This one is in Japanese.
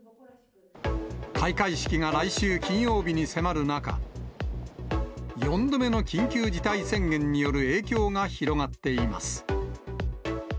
開会式が来週金曜日に迫る中、４度目の緊急事態宣言による影響が広がっています。